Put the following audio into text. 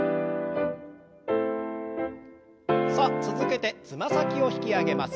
さあ続けてつま先を引き上げます。